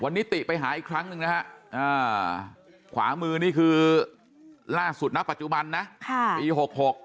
วันนี้ติไปหาอีกครั้งหนึ่งนะฮะขวามือนี่คือล่าสุดณปัจจุบันนะปี๖๖